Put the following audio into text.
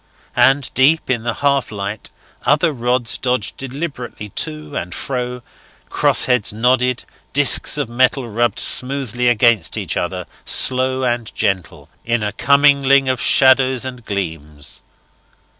And deep in the half light other rods dodged deliberately to and fro, crossheads nodded, discs of metal rubbed smoothly against each other, slow and gentle, in a commingling of shadows and gleams.